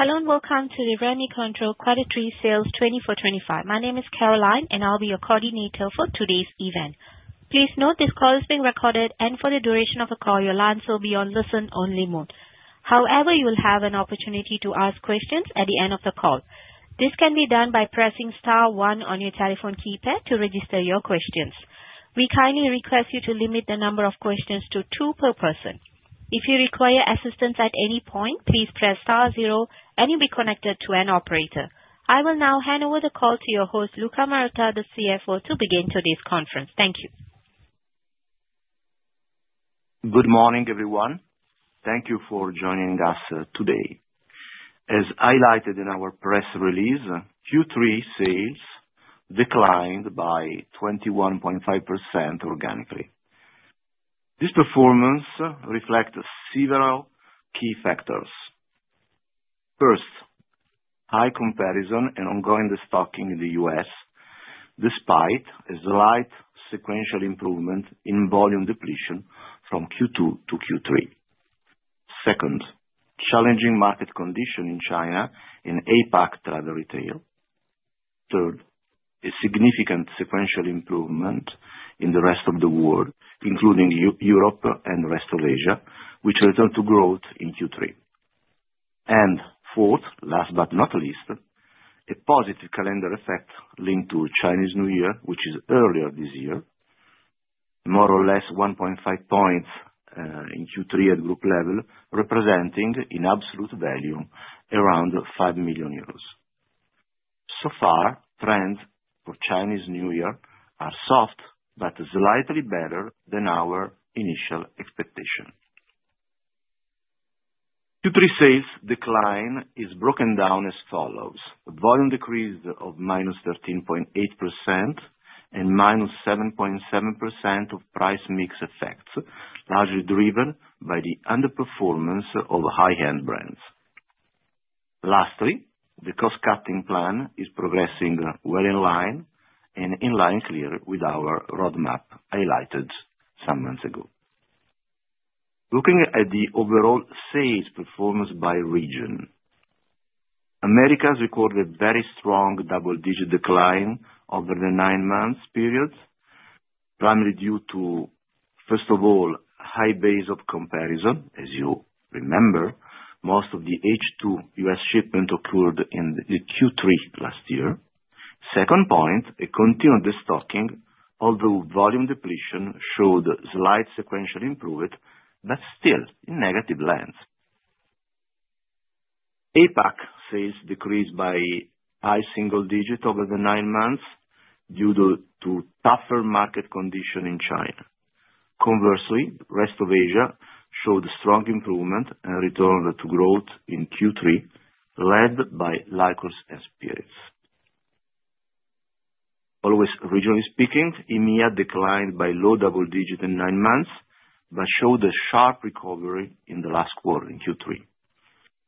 Hello and welcome to the Rémy Cointreau Quarterly Sales 2024. My name is Caroline, and I'll be your coordinator for today's event. Please note this call is being recorded, and for the duration of the call, your lines will be on listen-only mode. However, you will have an opportunity to ask questions at the end of the call. This can be done by pressing star one on your telephone keypad to register your questions. We kindly request you to limit the number of questions to two per person. If you require assistance at any point, please press star zero, and you'll be connected to an operator. I will now hand over the call to your host, Luca Marotta, the CFO, to begin today's conference. Thank you. Good morning, everyone. Thank you for joining us today. As highlighted in our press release, Q3 sales declined by 21.5% organically. This performance reflects several key factors. First, high comparison and ongoing destocking in the U.S., despite a slight sequential improvement in volume depletion from Q2 to Q3. Second, challenging market condition in China in APAC travel retail. Third, a significant sequential improvement in the rest of the world, including Europe and the rest of Asia, which returned to growth in Q3. And fourth, last but not least, a positive calendar effect linked to Chinese New Year, which is earlier this year, more or less 1.5 points in Q3 at group level, representing in absolute value around 5 million euros. So far, trends for Chinese New Year are soft but slightly better than our initial expectation. Q3 sales decline is broken down as follows: volume decreased of -13.8% and -7.7% of price mix effects, largely driven by the underperformance of high-end brands. Lastly, the cost-cutting plan is progressing well in line and in line clearly with our roadmap highlighted some months ago. Looking at the overall sales performance by region, America has recorded a very strong double-digit decline over the nine-month period, primarily due to, first of all, high base of comparison. As you remember, most of the H2 U.S. shipment occurred in Q3 last year. Second point, a continued destocking, although volume depletion showed slight sequential improvement, but still in negative lands. APAC sales decreased by high single digit over the nine months due to tougher market condition in China. Conversely, the rest of Asia showed strong improvement and returned to growth in Q3, led by Liqueurs & Spirits. Overall regionally speaking, EMEA declined by low double-digit in nine months but showed a sharp recovery in the last quarter in Q3.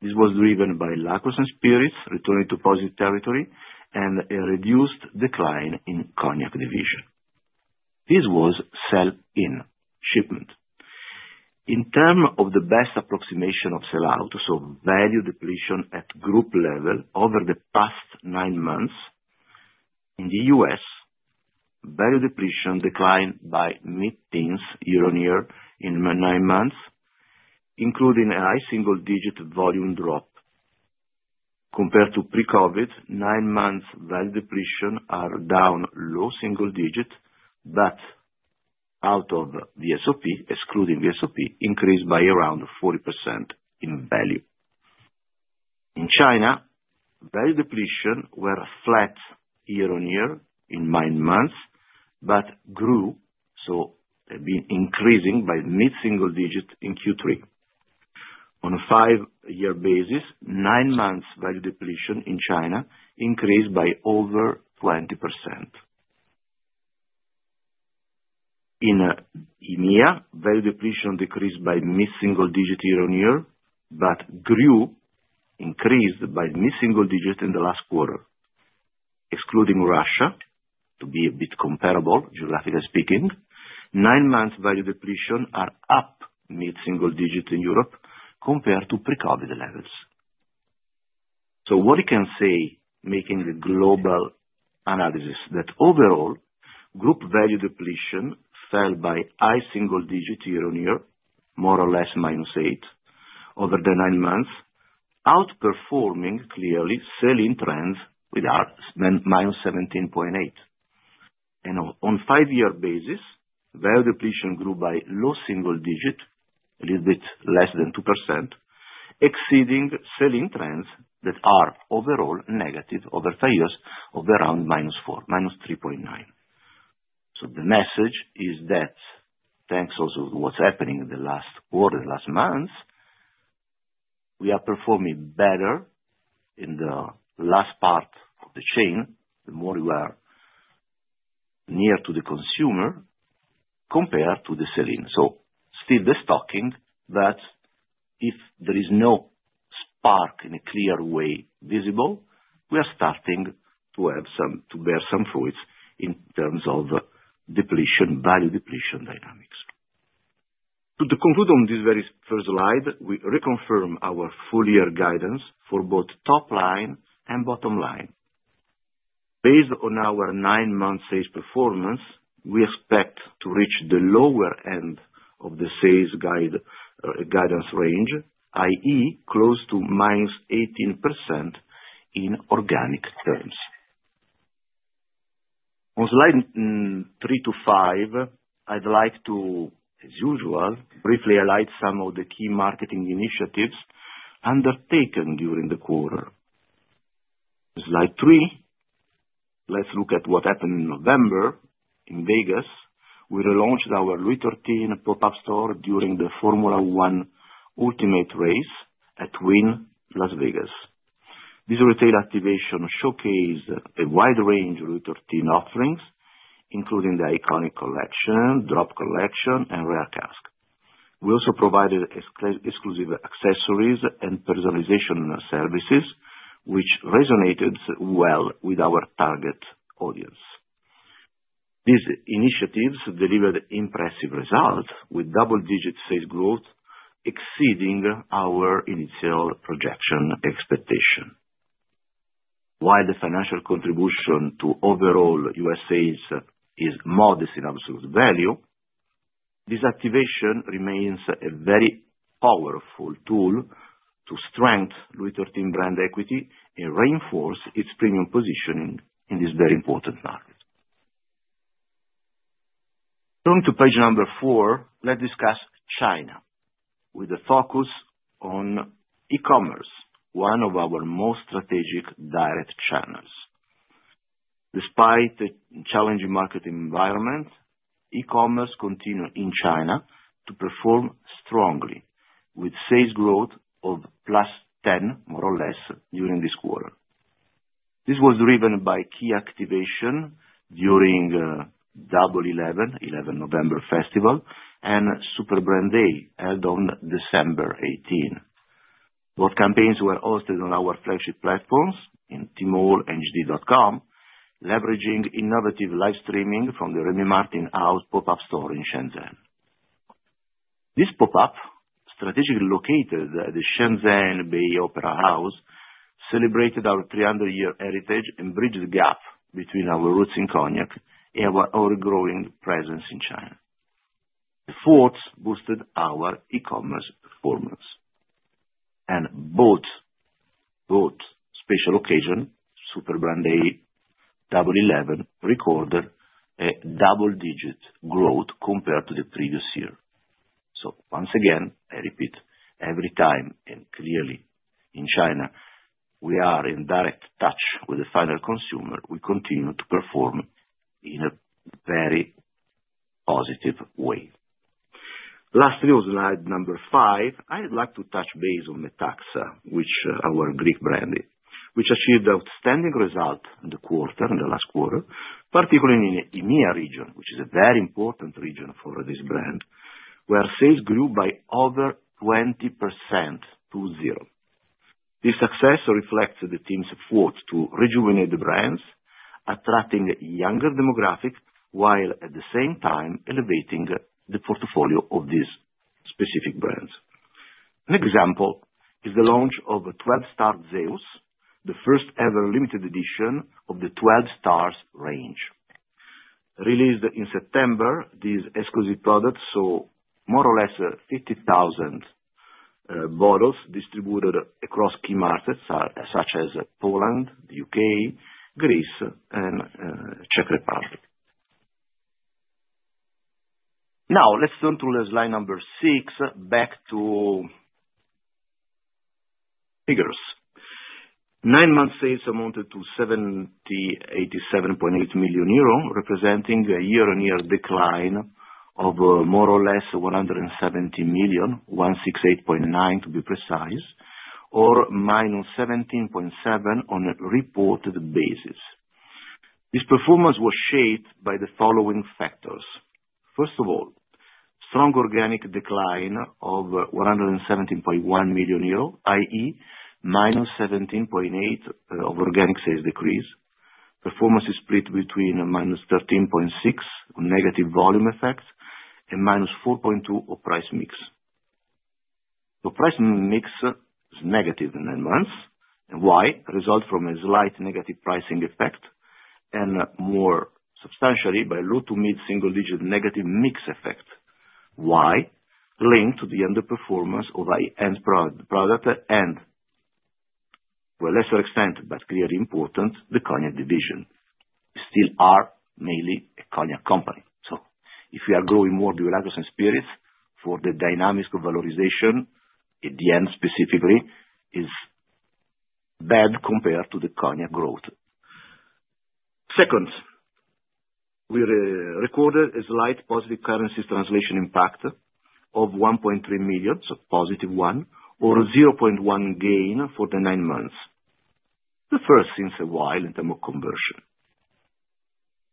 This was driven by Liqueurs and Spirits returning to positive territory and a reduced decline in Cognac division. This was sell-in shipment. In terms of the best approximation of sell-out, so value depletion at group level over the past nine months in the U.S., value depletion declined by mid-teens year-on-year in nine months, including a high single-digit volume drop. Compared to pre-COVID, nine-month value depletion is down low single digit, but out of the VSOP, excluding the VSOP, increased by around 40% in value. In China, value depletion was flat year-on-year in nine months but grew, so it's been increasing by mid-single digit in Q3. On a five-year basis, nine-month value depletion in China increased by over 20%. In EMEA, value depletion decreased by mid-single digit year-on-year but grew, increased by mid-single digit in the last quarter, excluding Russia, to be a bit comparable geographically speaking. Nine-month value depletion is up mid-single digit in Europe compared to pre-COVID levels. What we can say, making the global analysis, is that overall, group value depletion fell by high single digit year-on-year, more or less -8 over the nine months, outperforming clearly sell-in trends with -17.8. On a five-year basis, value depletion grew by low single digit, a little bit less than 2%, exceeding sell-in trends that are overall negative over five years, of around -4, -3.9. So the message is that thanks also to what's happening in the last quarter, the last months, we are performing better in the last part of the chain, the more we are near to the consumer compared to the sell-in. So still the destocking, but if there is no spark in a clear way visible, we are starting to bear some fruits in terms of value depletion dynamics. To conclude on this very first slide, we reconfirm our full-year guidance for both top line and bottom line. Based on our nine-month sales performance, we expect to reach the lower end of the sales guidance range, i.e., close to -18% in organic terms. On slide three to five, I'd like to, as usual, briefly highlight some of the key marketing initiatives undertaken during the quarter. Slide three, let's look at what happened in November in Vegas. We relaunched our Louis XIII pop-up store during the Formula 1 Ultimate Race at Wynn Las Vegas. This retail activation showcased a wide range of Louis XIII offerings, including the Iconic Collection, DROP Collection, and Rare Cask. We also provided exclusive accessories and personalization services, which resonated well with our target audience. These initiatives delivered impressive results with double-digit sales growth, exceeding our initial projection expectation. While the financial contribution to overall U.S. sales is modest in absolute value, this activation remains a very powerful tool to strengthen Louis XIII brand equity and reinforce its premium positioning in this very important market. Turning to page number four, let's discuss China with a focus on e-commerce, one of our most strategic direct channels. Despite the challenging market environment, e-commerce continued in China to perform strongly with sales growth of +10%, more or less, during this quarter. This was driven by key activation during Double 11, November Festival, and Super Brand Day held on December 18. Both campaigns were hosted on our flagship platforms in Tmall and JD.com, leveraging innovative live streaming from the Rémy Martin House pop-up store in Shenzhen. This pop-up, strategically located at the Shenzhen Bay Opera House, celebrated our 300-year heritage and bridged the gap between our roots in Cognac and our ever-growing presence in China. The fourth boosted our e-commerce performance. And both special occasions, Super Brand Day, Double 11, recorded a double-digit growth compared to the previous year. So once again, I repeat every time and clearly, in China, we are in direct touch with the final consumer. We continue to perform in a very positive way. Lastly, on slide number 5, I'd like to touch base on Metaxa, which is our Greek brand, which achieved outstanding results in the quarter, in the last quarter, particularly in the EMEA region, which is a very important region for this brand, where sales grew by over 20% organic. This success reflects the team's effort to rejuvenate the brands, attracting a younger demographic while at the same time elevating the portfolio of these specific brands. An example is the launch of 12 Stars Zeus, the first-ever limited edition of the 12 Stars range. Released in September, these exclusive products saw more or less 50,000 bottles distributed across key markets such as Poland, the U.K., Greece, and Czech Republic. Now, let's turn to slide number 6, back to figures. Nine-month sales amounted to 787.8 million euro, representing a year-on-year decline of more or less 170 million, 168.9 to be precise, or -17.7% on a reported basis. This performance was shaped by the following factors. First of all, strong organic decline of 117.1 million euro, i.e., -17.8% of organic sales decrease. Performance is split between -13.6% negative volume effects and -4.2% of price mix. The price mix is negative in nine months. Why? Result from a slight negative pricing effect and more substantially by low to mid-single-digit negative mix effect. Why? Linked to the underperformance of high-end product and, to a lesser extent, but clearly important, the Cognac division. We still are mainly a Cognac company. So if we are growing more liqueurs and spirits for the dynamics of valorization at the end specifically is bad compared to the Cognac growth. Second, we recorded a slight positive currency translation impact of 1.3 million, so positive one, or 0.1% gain for the nine months, the first since a while in terms of conversion.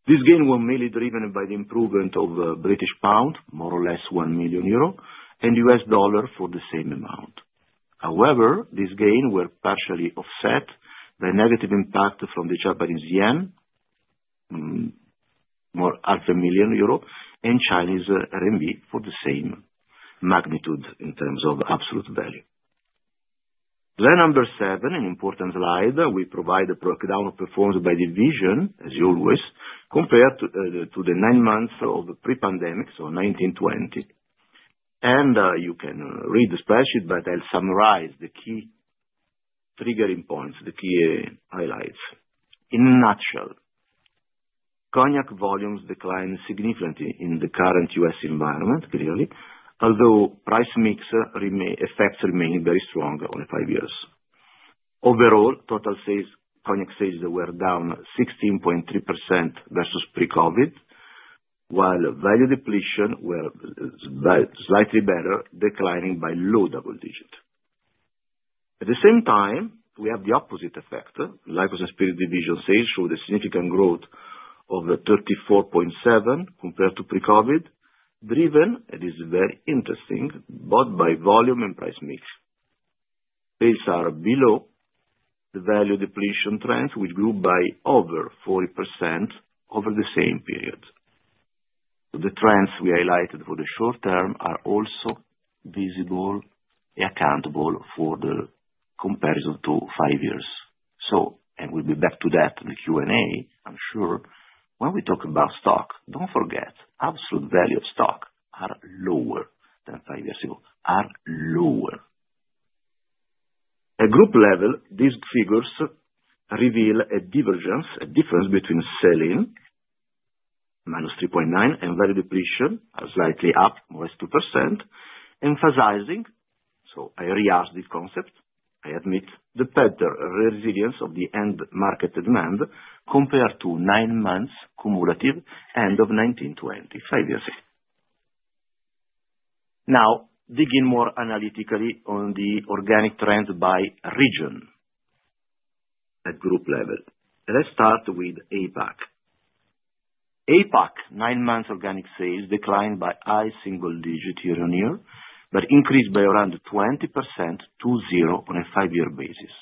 This gain was mainly driven by the improvement of the British pound, more or less 1 million euro, and U.S. dollar for the same amount. However, this gain was partially offset by negative impact from the Japanese yen, minus half a million euro, and Chinese RMB for the same magnitude in terms of absolute value. Slide number seven, an important slide, we provide a breakdown of performance by division, as usual, compared to the nine months of pre-pandemic, so 2019, 2020, and you can read the spreadsheet, but I'll summarize the key triggering points, the key highlights. In a nutshell, Cognac volumes declined significantly in the current U.S. environment, clearly, although price-mix effects remained very strong over 5%. Overall, total Cognac sales were down 16.3% versus pre-COVID, while value depletion was slightly better, declining by low double digit. At the same time, we have the opposite effect. Liqueurs & Spirits division sales showed a significant growth of 34.7% compared to pre-COVID, driven, it is very interesting, both by volume and price mix. Sales are below the value depletion trends, which grew by over 40% over the same period. The trends we highlighted for the short term are also visible and accountable for the comparison to five years. So, and we'll be back to that in the Q&A, I'm sure. When we talk about stock, don't forget absolute value of stock are lower than five years ago, are lower. At group level, these figures reveal a divergence, a difference between sell-in -3.9% and value depletion are slightly up, more or less 2%, emphasizing, so I restate this concept, I admit, the better resilience of the end market demand compared to nine months cumulative end of 2020, five years ago. Now, digging more analytically on the organic trend by region at group level. Let's start with APAC. APAC, nine-month organic sales declined by high single-digit year-on-year, but increased by around 20% to zero on a five-year basis.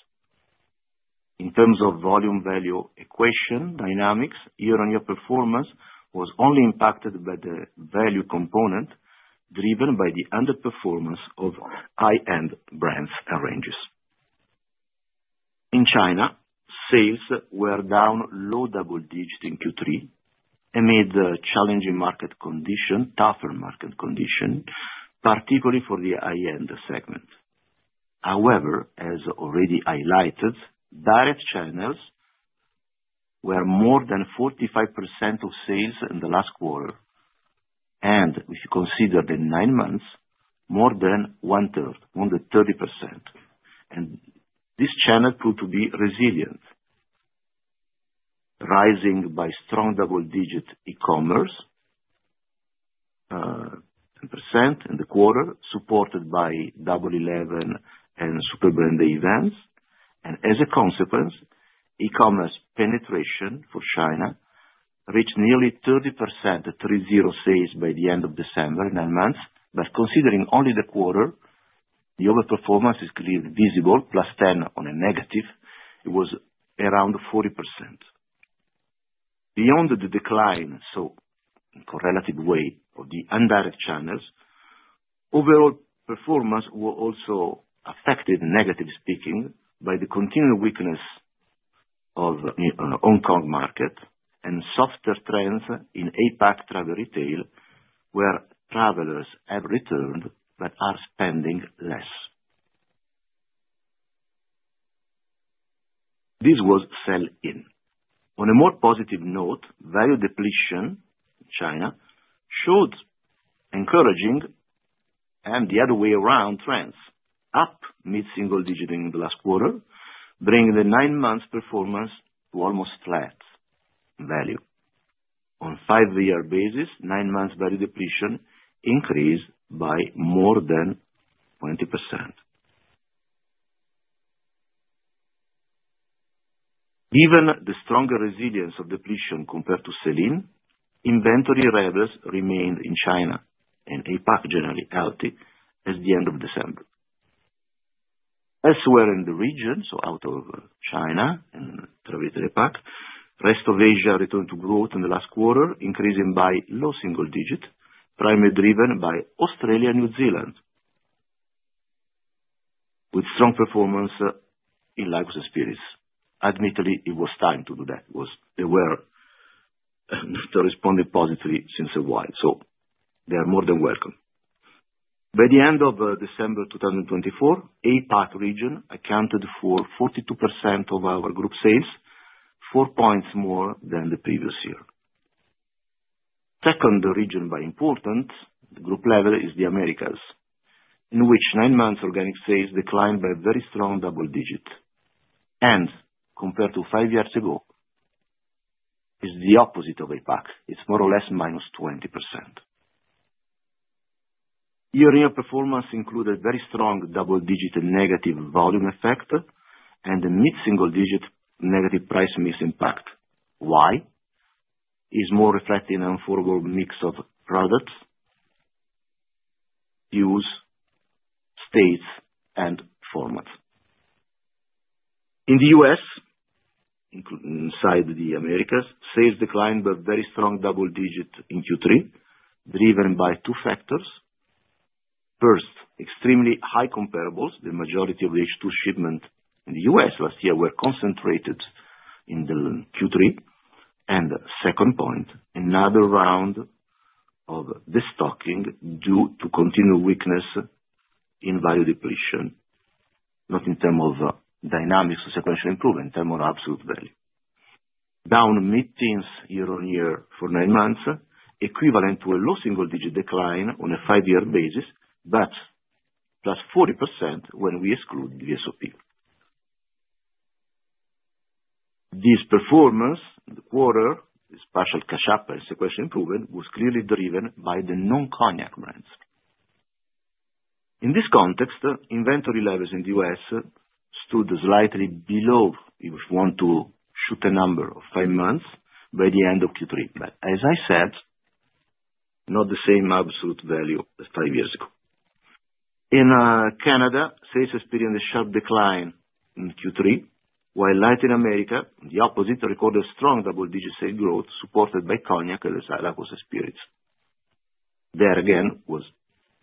In terms of volume value equation dynamics, year-on-year performance was only impacted by the value component driven by the underperformance of high-end brands and ranges. In China, sales were down low double-digit in Q3 amid challenging market condition, tougher market condition, particularly for the high-end segment. However, as already highlighted, direct channels were more than 45% of sales in the last quarter, and if you consider the nine months, more than one-third, more than 30%. This channel proved to be resilient, rising by strong double-digit e-commerce percent in the quarter, supported by Double 11 and Super Brand Day events, and as a consequence, e-commerce penetration for China reached nearly 30%, 30% of sales by the end of December, nine months. Considering only the quarter, the overperformance is clearly visible, +10% on a negative. It was around 40%. Beyond the decline, so in a relative way, of the indirect channels, overall performance was also affected, negatively speaking, by the continued weakness of the Hong Kong market and softer trends in APAC Travel Retail where travelers have returned but are spending less. This was sell-in. On a more positive note, value depletion in China showed encouraging and the other way around trends, up mid-single-digit in the last quarter, bringing the nine-month performance to almost flat value. On a five-year basis, nine-month value depletion increased by more than 20%. Given the stronger resilience of depletion compared to sell-in, inventory levels remained in China and APAC generally healthy at the end of December. Elsewhere in the region, so out of China and Travel Retail APAC, the rest of Asia returned to growth in the last quarter, increasing by low-single-digit, primarily driven by Australia and New Zealand, with strong performance in Liqueurs & Spirits. Admittedly, it was time to do that. They were not responding positively since a while, so they are more than welcome. By the end of December 2024, the APAC region accounted for 42% of our group sales, four points more than the previous year. Second region by importance, the group level is the Americas, in which nine-month organic sales declined by a very strong double-digit. And compared to five years ago, it's the opposite of APAC. It's more or less -20%. Year-on-year performance included very strong double-digit negative volume effect and mid-single-digit negative price-mix impact. Why? It's more reflecting an unfavorable mix of products, U.S. states, and formats. In the U.S., inside the Americas, sales declined by very strong double-digit in Q3, driven by two factors. First, extremely high comparables. The majority of the H2 shipment in the U.S. last year were concentrated in Q3. The second point, another round of destocking due to continued weakness in value depletion, not in terms of dynamics or sequential improvement, in terms of absolute value. Down mid-teens year-on-year for nine months, equivalent to a low single-digit decline on a five-year basis, but +40% when we exclude the VSOP. This performance, the quarter, the partial catch-up and sequential improvement, was clearly driven by the non-cognac brands. In this context, inventory levels in the U.S. stood slightly below, if we want to shoot a number, of five months by the end of Q3. But as I said, not the same absolute value as five years ago. In Canada, sales experienced a sharp decline in Q3, while Latin America, the opposite, recorded strong double-digit sales growth supported by Cognac and liqueurs and spirits. There, again, were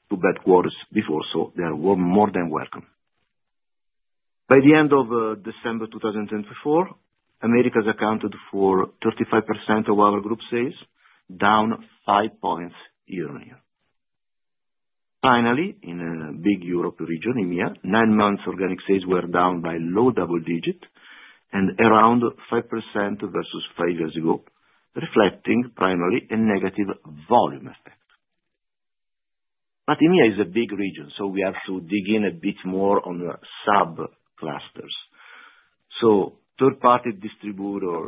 two bad quarters before, so they were more than welcome. By the end of December 2024, Americas accounted for 35% of our group sales, down five points year-on-year. Finally, in a big Europe region, EMEA, nine-month organic sales were down by low double digit and around 5% versus five years ago, reflecting primarily a negative volume effect. But EMEA is a big region, so we have to dig in a bit more on sub-clusters.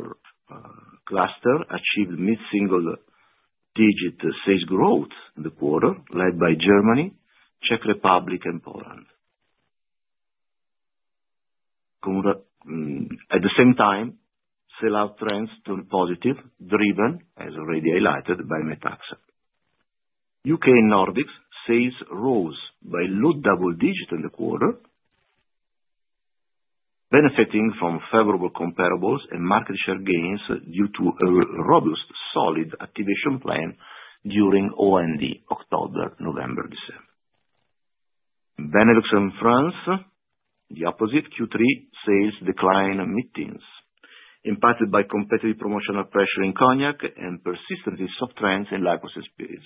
So third-party distributor cluster achieved mid-single-digit sales growth in the quarter, led by Germany, Czech Republic, and Poland. At the same time, sell-out trends turned positive, driven, as already highlighted, by Metaxa. U.K. and Nordics sales rose by low double digit in the quarter, benefiting from favorable comparables and market share gains due to a robust solid activation plan during OND October, November, December. Benelux and France, the opposite. Q3 sales declined mid-teens, impacted by competitive promotional pressure in Cognac and persistently soft trends in Liqueurs & Spirits.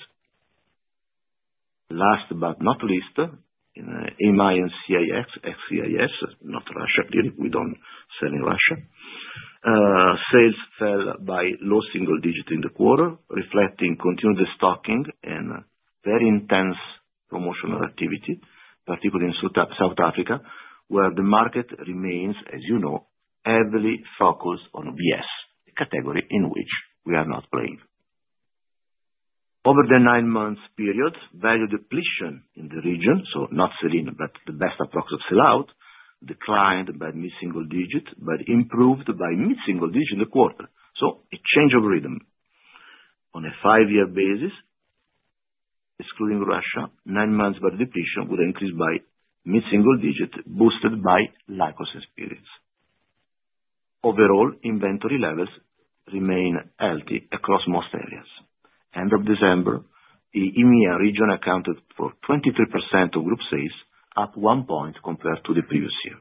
Last but not least, in EMEA and CIS, not Russia, clearly, we don't sell in Russia, sales fell by low single digit in the quarter, reflecting continued destocking and very intense promotional activity, particularly in South Africa, where the market remains, as you know, heavily focused on VS, the category in which we are not playing. Over the nine-month period, value depletion in the region, so not sell-in, but the best approximate sell-out, declined by mid-single digit, but improved by mid-single digit in the quarter. So a change of rhythm. On a five-year basis, excluding Russia, nine-month value depletion would increase by mid-single digit, boosted by Liqueurs & Spirits. Overall, inventory levels remain healthy across most areas. End of December, the EMEA region accounted for 23% of group sales, up one point compared to the previous year.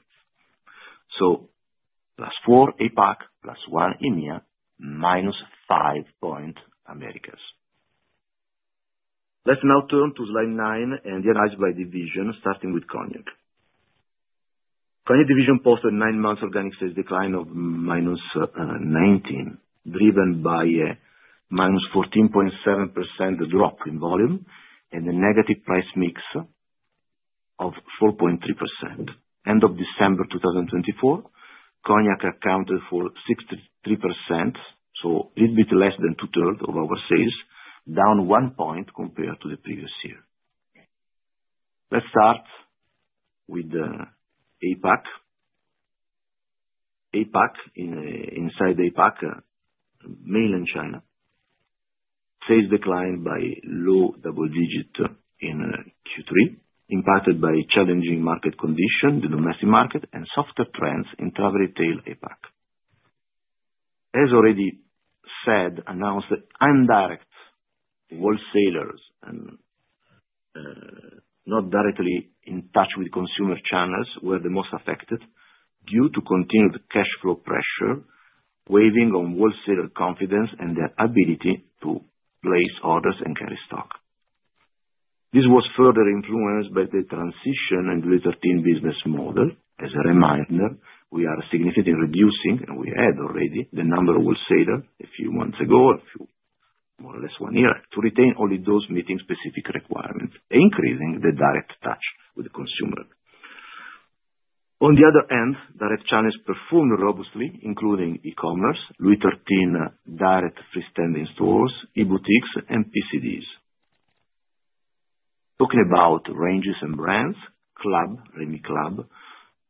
So plus four APAC, plus one EMEA, minus five point Americas. Let's now turn to slide nine and the analysis by division, starting with Cognac. Cognac division posted nine-month organic sales decline of -19%, driven by a -14.7% drop in volume and a negative price mix of 4.3%. End of December 2024, Cognac accounted for 63%, so a little bit less than two-thirds of our sales, down one point compared to the previous year. Let's start with APAC. APAC, inside APAC, mainland China, sales declined by low double digit in Q3, impacted by challenging market condition, the domestic market, and softer trends in travel retail APAC. As already said, announced indirect wholesalers and not directly in touch with consumer channels were the most affected due to continued cash flow pressure, weighing on wholesaler confidence and their ability to place orders and carry stock. This was further influenced by the transition to our team business model. As a reminder, we are significantly reducing, and we had already, the number of wholesalers a few months ago, more or less one year, to retain only those meeting specific requirements, increasing the direct touch with the consumer. On the other end, direct channels performed robustly, including e-commerce, Louis XIII direct freestanding stores, e-boutiques, and PCDs. Talking about ranges and brands, Club, Rémy Club,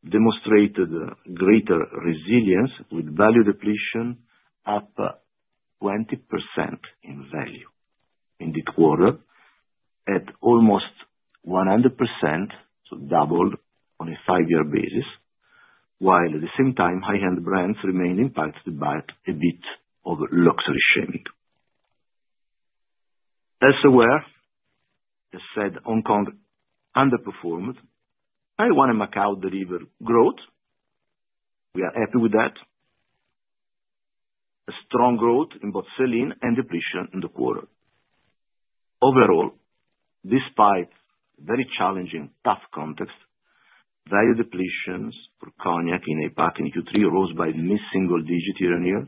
demonstrated greater resilience with value depletion up 20% in value in the quarter, at almost 100%, so doubled on a five-year basis, while at the same time, high-end brands remained impacted by a bit of luxury shaming. Elsewhere, as said, Hong Kong underperformed. Taiwan and Macau delivered growth. We are happy with that. A strong growth in both sell-in and depletion in the quarter. Overall, despite very challenging, tough context, value depletions for Cognac in APAC and Q3 rose by mid-single digit year-on-year,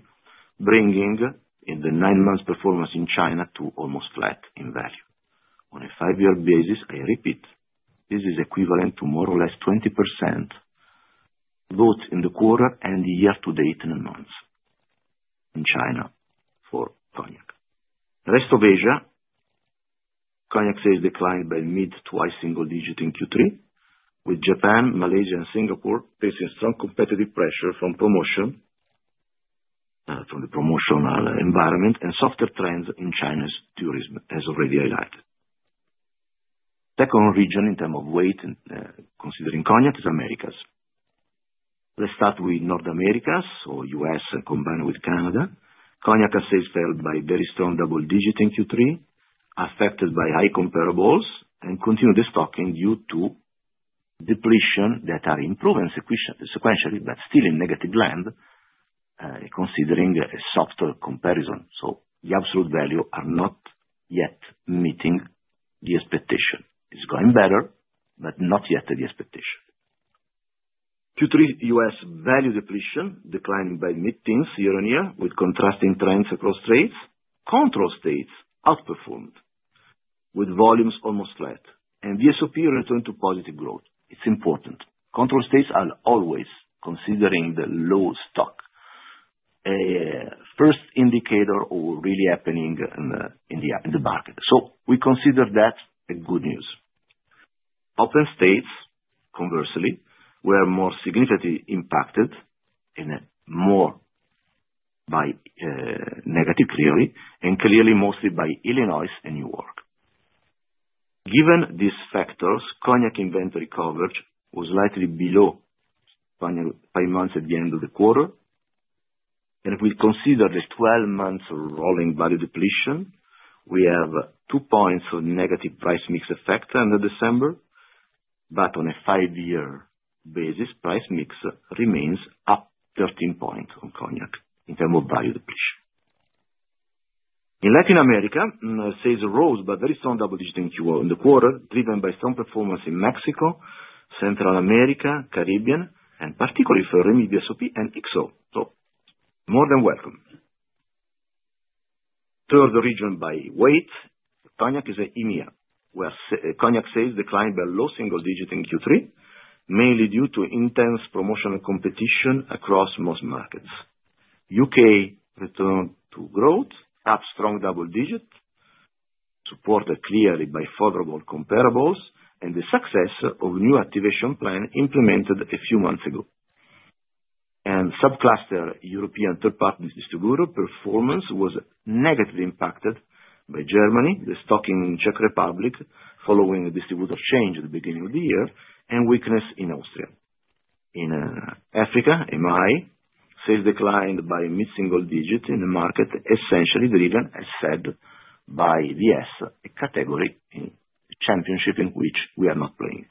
bringing the nine-month performance in China to almost flat in value. On a five-year basis, I repeat, this is equivalent to more or less 20% both in the quarter and the year-to-date nine months in China for Cognac. Rest of Asia, Cognac sales declined by mid-to-high single digit in Q3, with Japan, Malaysia, and Singapore facing strong competitive pressure from promotion, from the promotional environment, and softer trends in China's tourism, as already highlighted. Second region in terms of weight, considering Cognac, is Americas. Let's start with North America, so U.S. combined with Canada. Cognac sales fell by very strong double digit in Q3, affected by high comparables and continued destocking due to depletion that are improving sequentially, but still in negative land, considering a softer comparison. So the absolute value are not yet meeting the expectation. It's going better, but not yet to the expectation. Q3 U.S. value depletion declining by mid-teens year-on-year with contrasting trends across states. Control states outperformed with volumes almost flat, and the VSOP returned to positive growth. It's important. Control states are always considering the low stock, a first indicator of what's really happening in the market. So we consider that good news. Open states, conversely, were more significantly impacted and more by negative, clearly, and clearly mostly by Illinois and New York. Given these factors, cognac inventory coverage was likely below five months at the end of the quarter. If we consider the 12-month rolling value depletion, we have two points of negative price mix effect end of December, but on a five-year basis, price mix remains up 13 points on Cognac in terms of value depletion. In Latin America, sales rose but very strong double digit in Q1 in the quarter, driven by strong performance in Mexico, Central America, Caribbean, and particularly for Rémy VSOP and XO. So more than welcome. Third region by weight, Cognac is EMEA, where Cognac sales declined by low single digit in Q3, mainly due to intense promotional competition across most markets. U.K. returned to growth, up strong double digit, supported clearly by favorable comparables and the success of new activation plan implemented a few months ago. Sub-cluster European third-party distributor performance was negatively impacted by Germany, destock in Czech Republic following a distributor change at the beginning of the year, and weakness in Austria. In Africa, Metaxa, sales declined by mid-single-digit in the market, essentially driven, as said, by VS, a category in the campaign in which we are not playing.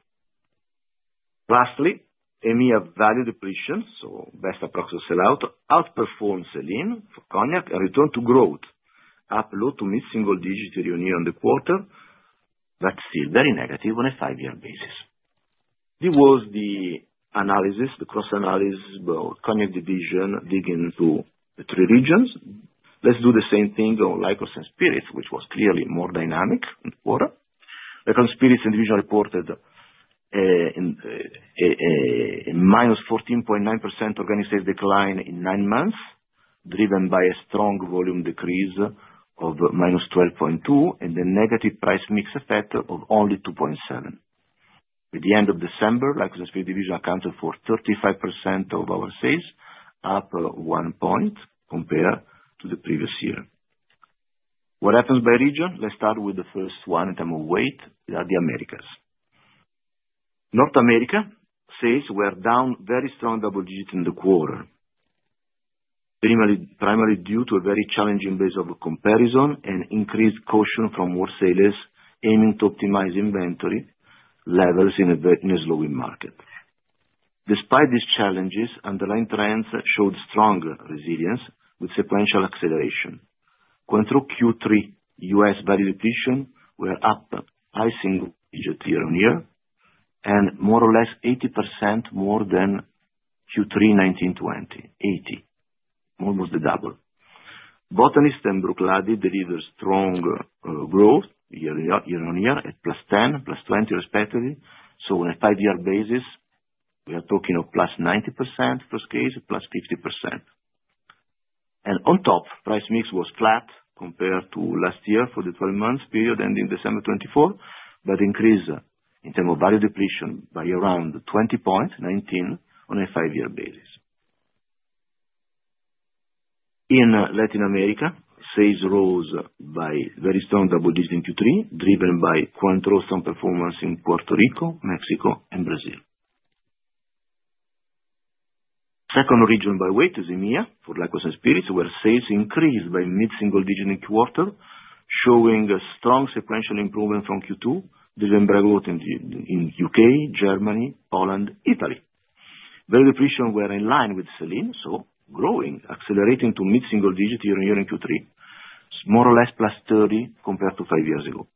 Lastly, EMEA value depletion, so best approximate sell-out, outperformed sell-in for Cognac and returned to growth, up low- to mid-single-digit year-on-year in the quarter, but still very negative on a five-year basis. It was the analysis, the cross-analysis, Cognac division digging through the three regions. Let's do the same thing on Liqueurs & Spirits, which was clearly more dynamic in the quarter. Liqueurs and Spirits division reported a -14.9% organic sales decline in nine months, driven by a strong volume decrease of -12.2% and the negative price-mix effect of only -2.7%. At the end of December, Liqueurs and Spirits division accounted for 35% of our sales, up one point compared to the previous year. What happens by region? Let's start with the first one in terms of weight. They are the Americas. North America sales were down very strong double-digit in the quarter, primarily due to a very challenging base of comparison and increased caution from wholesalers aiming to optimize inventory levels in a slowing market. Despite these challenges, underlying trends showed strong resilience with sequential acceleration. Q1 to Q3, U.S. value depletion were up by single-digit year-on-year and more or less 80% more than Q3 2020, almost the double. The Botanist and Bruichladdich delivered strong growth year-on-year at +10%, +20%, respectively. So on a five-year basis, we are talking of +90% first case, +50%. And on top, price mix was flat compared to last year for the 12-month period ending December 24, but increased in terms of value depletion by around 20 points, 19 on a five-year basis. In Latin America, sales rose by very strong double digit in Q3, driven by Cointreau's strong performance in Puerto Rico, Mexico, and Brazil. Second region by weight is EMEA for Liqueurs & Spirits, where sales increased by mid-single digit in quarter, showing a strong sequential improvement from Q2, driven by growth in U.K., Germany, Poland, Italy. Value depletion were in line with sell-in, so growing, accelerating to mid-single digit year-on-year in Q3, more or less +30 compared to five years ago.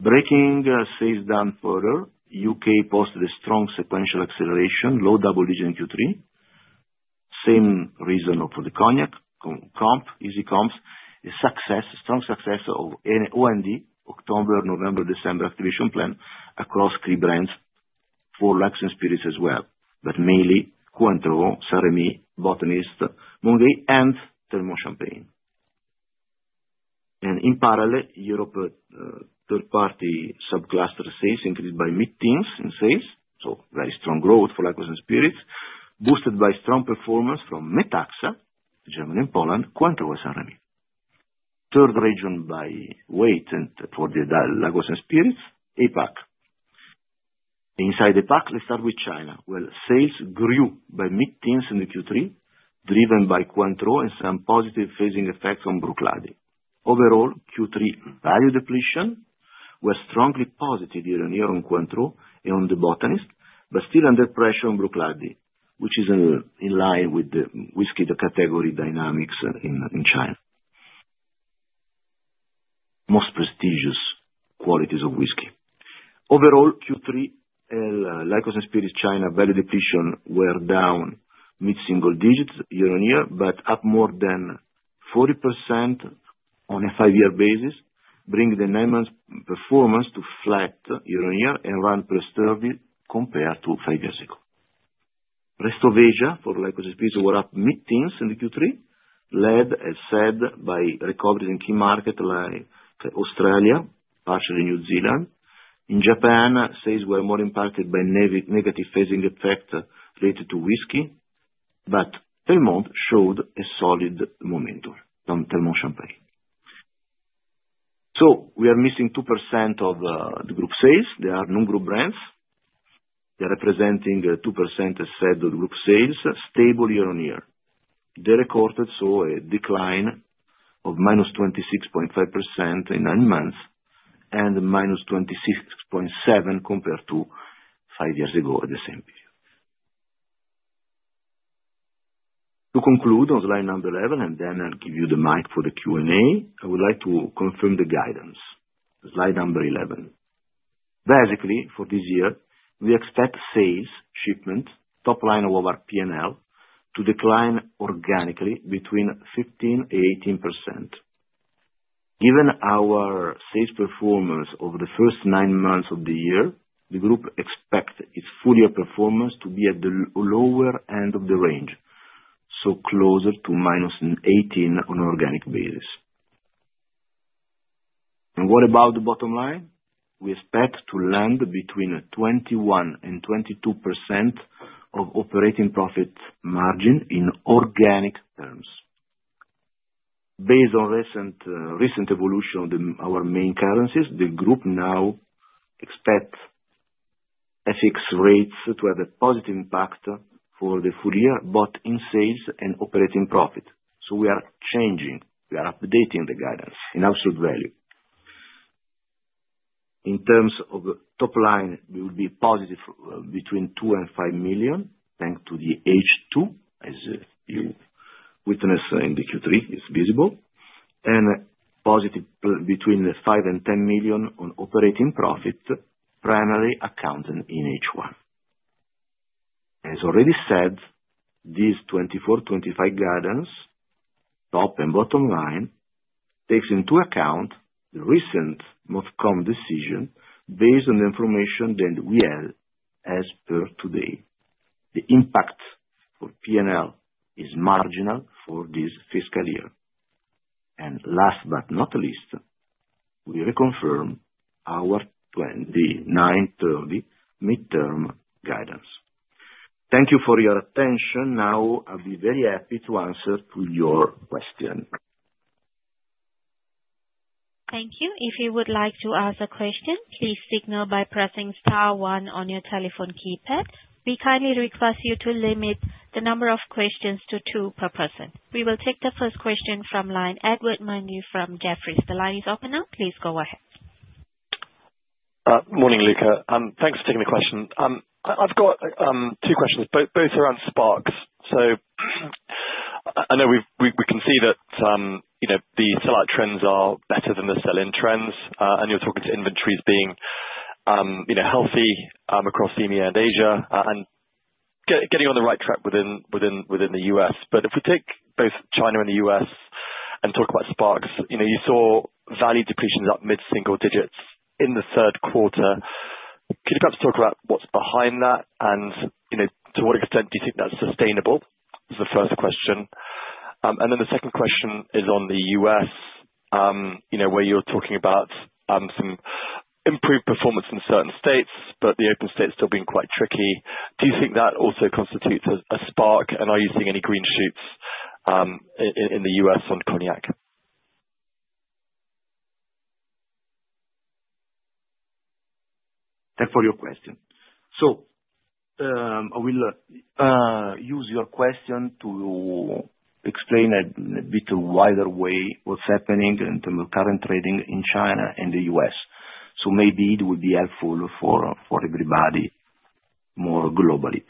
Breaking sales down further, U.K. posted a strong sequential acceleration, low double digit in Q3. Same reason for the Cognac, comp, easy comps, a strong success of OND, October, November, December activation plan across three brands for Liqueurs & Spirits as well, but mainly Cointreau, St-Rémy, The Botanist, Mount Gay, and Telmont. And in parallel, Europe third-party sub-cluster sales increased by mid-teens in sales, so very strong growth for Liqueurs & Spirits, boosted by strong performance from Metaxa, Germany and Poland, Cointreau and St-Rémy. Third region by weight for the Liqueurs & Spirits, APAC. Inside APAC, let's start with China. Well, sales grew by mid-teens in the Q3, driven by Cointreau and some positive phasing effects on Bruichladdich. Overall, Q3 value depletion was strongly positive year-on-year on Cointreau and on The Botanist, but still under pressure on Bruichladdich, which is in line with the whisky category dynamics in China. Most prestigious qualities of whisky. Overall, Q3, Liqueurs & Spirits China, value depletion were down mid-single digit year-on-year, but up more than 40% on a five-year basis, bringing the nine-month performance to flat year-on-year and run +30 compared to five years ago. Rest of Asia for Liqueurs & Spirits were up mid-teens in the Q3, led, as said, by recoveries in key markets like Australia, partially New Zealand. In Japan, sales were more impacted by negative phasing effects related to whisky, but Telmont showed a solid momentum on Telmont Champagne. So we are missing 2% of the group sales. There are no group brands. They're representing 2%, as said, of the group sales, stable year-on-year. They recorded a decline of -26.5% in nine months and -26.7% compared to five years ago at the same period. To conclude on slide number 11, and then I'll give you the mic for the Q&A, I would like to confirm the guidance. Slide number 11. Basically, for this year, we expect sales, shipment, top line of our P&L to decline organically between 15% and 18%. Given our sales performance over the first nine months of the year, the group expects its full-year performance to be at the lower end of the range, so closer to -18% on an organic basis, and what about the bottom line? We expect to land between 21% and 22% of operating profit margin in organic terms. Based on recent evolution of our main currencies, the group now expects FX rates to have a positive impact for the full year, both in sales and operating profit, so we are changing. We are updating the guidance in absolute value. In terms of top line, we will be positive between 2 million and 5 million, thanks to the H2, as you witness in the Q3; it's visible, and positive between 5 million and 10 million on operating profit, primarily accounted in H1. As already said, these 2024, 2025 guidance, top and bottom line, takes into account the recent MOFCOM decision based on the information that we had as per today. The impact for P&L is marginal for this fiscal year, and last but not least, we reconfirm our 2029, 2030 midterm guidance. Thank you for your attention. Now, I'll be very happy to answer your question. Thank you. If you would like to ask a question, please signal by pressing star one on your telephone keypad. We kindly request you to limit the number of questions to two per person. We will take the first question from line Edward Mundy from Jefferies. The line is open now. Please go ahead. Morning, Luca. Thanks for taking the question. I've got two questions, both around Sparks. So I know we can see that the sell-out trends are better than the sell-in trends, and you're talking to inventories being healthy across EMEA and Asia and getting on the right track within the U.S. But if we take both China and the U.S. and talk about Sparks, you saw value depletion up mid-single digits in the third quarter. Could you perhaps talk about what's behind that, and to what extent do you think that's sustainable? That's the first question. Then the second question is on the U.S., where you're talking about some improved performance in certain states, but the open states are still being quite tricky. Do you think that also constitutes a spark, and are you seeing any green shoots in the U.S. on Cognac? Thanks for your question. I will use your question to explain a bit wider way what's happening in terms of current trading in China and the U.S. Maybe it would be helpful for everybody more globally.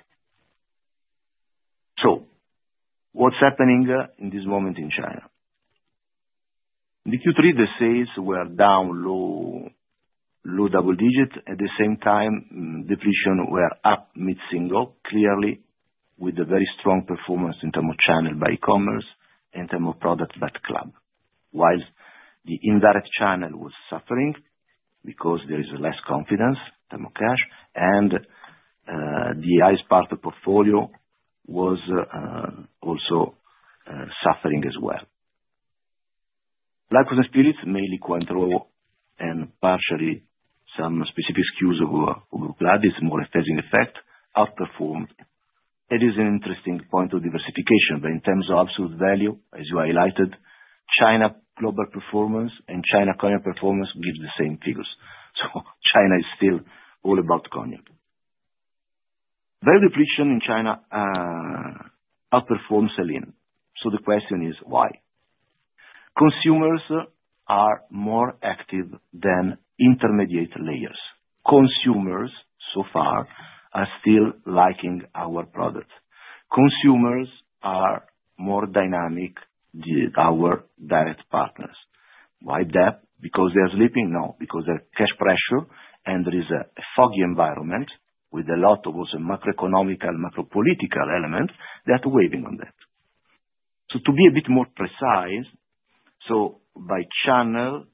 What's happening in this moment in China? In Q3, the sales were down low double digit. At the same time, depletion were up mid-single, clearly with a very strong performance in terms of channel by e-commerce and in terms of product by the club, while the indirect channel was suffering because there is less confidence in terms of cash, and the XO part of the portfolio was also suffering as well. Liqueurs & Spirits, mainly Cointreau and partially some specific SKUs of Bruichladdich, it's more a phasing effect, outperformed. It is an interesting point of diversification, but in terms of absolute value, as you highlighted, China global performance and China Cognac performance gives the same figures. So China is still all about Cognac. Value depletion in China outperforms sell-in. So the question is, why? Consumers are more active than intermediate layers. Consumers, so far, are still liking our products. Consumers are more dynamic than our direct partners. Why that? Because they are sleeping? No, because there's cash pressure, and there is a foggy environment with a lot of also macroeconomic, macro-political elements that are weighing on that. So to be a bit more precise, so by channel,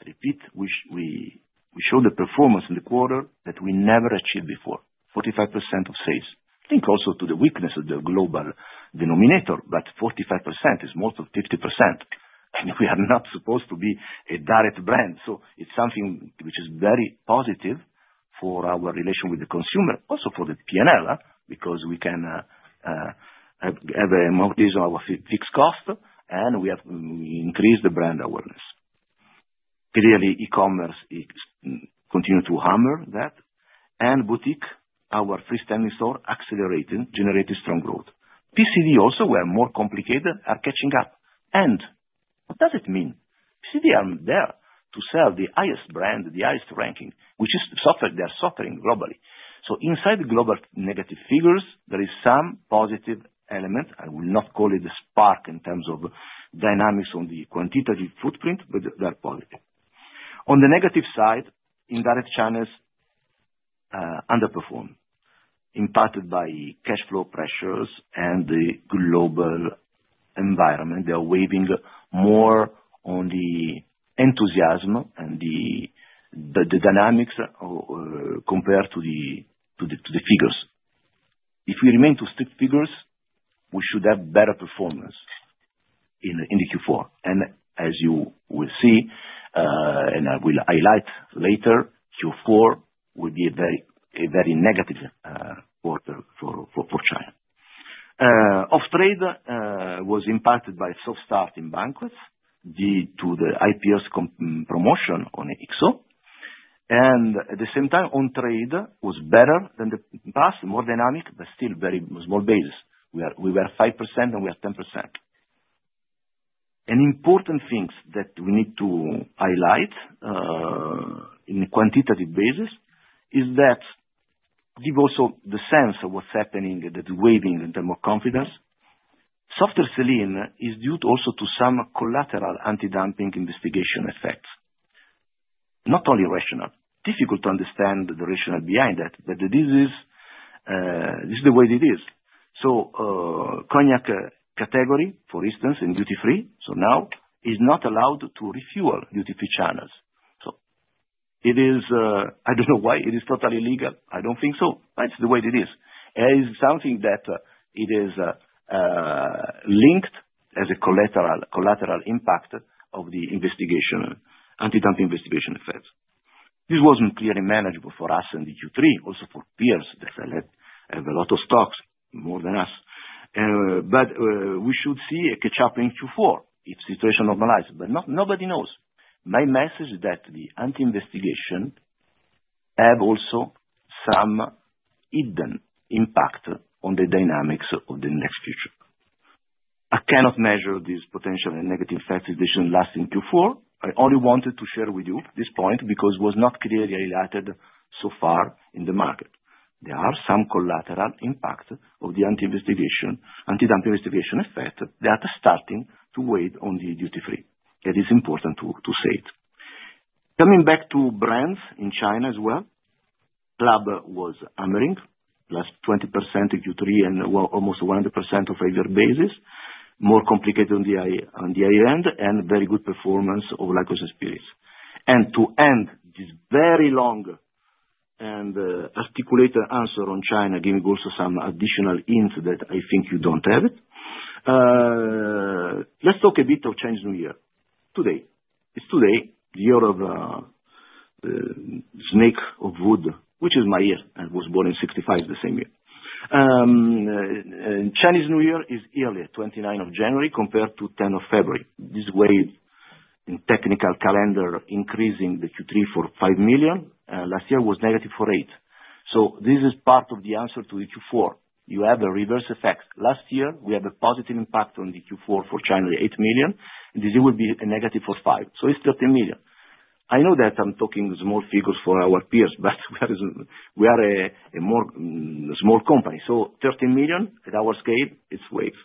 I repeat, we showed the performance in the quarter that we never achieved before: 45% of sales. Think also to the weakness of the global denominator, but 45% is more than 50%. And we are not supposed to be a direct brand. So it's something which is very positive for our relation with the consumer, also for the P&L, because we can have a more reasonable fixed cost, and we increase the brand awareness. Clearly, e-commerce continues to hammer that, and e-boutique, our freestanding store, accelerating, generating strong growth. PCD also, where more complicated, are catching up. And what does it mean? PCD are there to sell the highest brand, the highest ranking, which is something they're suffering globally. So inside the global negative figures, there is some positive element. I will not call it a spark in terms of dynamics on the quantitative footprint, but they're positive. On the negative side, indirect channels underperform, impacted by cash flow pressures and the global environment. They are wavering more on the enthusiasm and the dynamics compared to the figures. If we remain true to strict figures, we should have better performance in the Q4. And as you will see, and I will highlight later, Q4 will be a very negative quarter for China. Off-trade was impacted by soft start in banquets due to the IPO's promotion on XO. And at the same time, on-trade was better than the past, more dynamic, but still very small base. We were 5%, and we are 10%. And important things that we need to highlight on a quantitative basis is that give also the sense of what's happening that's wavering in terms of confidence. Softer sell-in is due also to some collateral anti-dumping investigation effects, not only irrational. Difficult to understand the rationale behind that, but this is the way it is. So Cognac category, for instance, in duty-free, so now, is not allowed to restock duty-free channels. So it is, I don't know why it is totally legal. I don't think so. That's the way it is. It is something that it is linked as a collateral impact of the investigation, anti-dumping investigation effects. This wasn't clearly manageable for us in the Q3, also for peers that I led, have a lot of stocks, more than us. But we should see a catch-up in Q4 if the situation normalizes. But nobody knows. My message is that the anti-dumping investigation has also some hidden impact on the dynamics of the near future. I cannot measure this potential negative effects if this is lasting Q4. I only wanted to share with you this point because it was not clearly highlighted so far in the market. There are some collateral impacts of the anti-dumping investigation effect that are starting to weigh on the duty-free. It is important to say it. Coming back to brands in China as well, Club was hammering, +20% in Q3 and almost 100% on year-earlier basis, more complicated on the higher end, and very good performance of liqueurs and spirits. To end this very long and articulate answer on China, giving also some additional hints that I think you don't have, let's talk a bit about Chinese New Year today. It's today, the year of the snake of wood, which is my year. I was born in 1965, the same year. Chinese New Year is earlier, 29th of January, compared to 10th of February. This way, in technical calendar, increasing the Q3 for 5 million. Last year was negative for 8. So this is part of the answer to the Q4. You have a reverse effect. Last year, we had a positive impact on the Q4 for China, 8 million. This year will be a negative for 5. So it's 13 million. I know that I'm talking small figures for our peers, but we are a more small company. So 13 million at our scale, it's waves.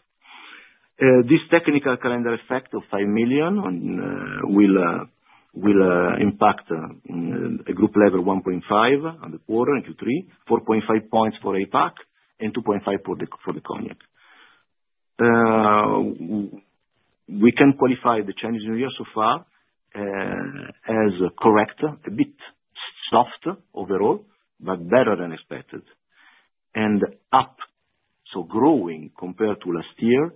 This technical calendar effect of 5 million will impact a group level 1.5 on the quarter in Q3, 4.5 points for APAC, and 2.5 for the Cognac. We can qualify the Chinese New Year so far as correct, a bit soft overall, but better than expected. And up, so growing compared to last year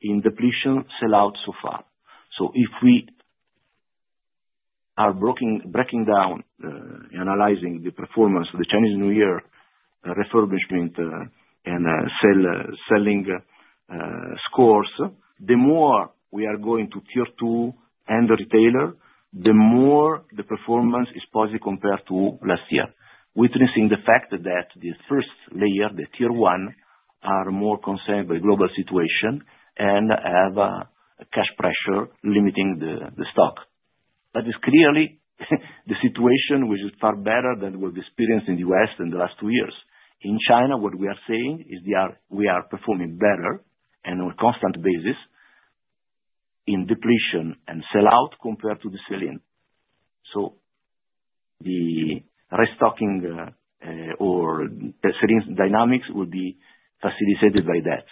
in depletion, sell-out so far. So if we are breaking down, analyzing the performance of the Chinese New Year refurbishment and selling scores, the more we are going to tier two and retailer, the more the performance is positive compared to last year, witnessing the fact that the first layer, the tier one, are more concerned by global situation and have cash pressure limiting the stock. But it's clearly the situation, which is far better than what we've experienced in the U.S. in the last two years. In China, what we are saying is we are performing better on a constant basis in depletion and sell-out compared to the sell-in. So the restocking or selling dynamics will be facilitated by that.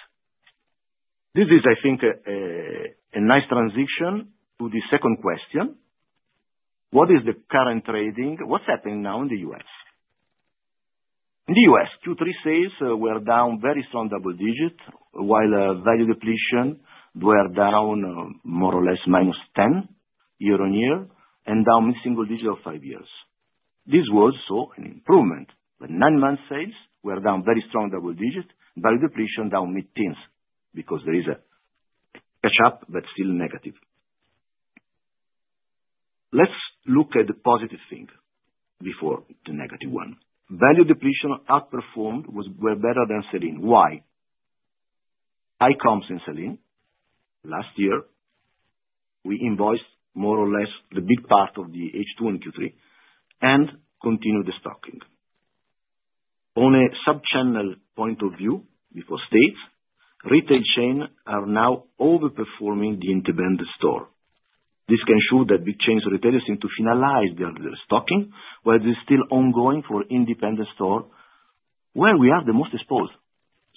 This is, I think, a nice transition to the second question. What is the current trading? What's happening now in the U.S.? In the U.S., Q3 sales were down very strong double digit, while value depletion were down more or less -10 year-on-year and down mid-single digit of five years. This was also an improvement. The nine-month sales were down very strong double digit, value depletion down mid-tens because there is a catch-up, but still negative. Let's look at the positive thing before the negative one. Value depletion outperformed was better than sell-in. Why? High comps in sell-in. Last year, we invoiced more or less the big part of the H2 and Q3 and continued the destocking. On a sub-channel point of view before states, retail chains are now overperforming the independent store. This can show that big chains retailers seem to finalize their destocking, while it is still ongoing for independent store, where we are the most exposed,